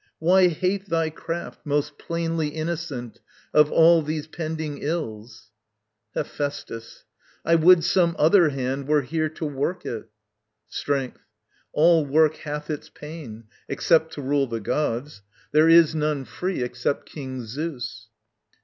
_ Why hate Thy craft most plainly innocent of all These pending ills? Hephæstus. I would some other hand Were here to work it! Strength. All work hath its pain, Except to rule the gods. There is none free Except King Zeus.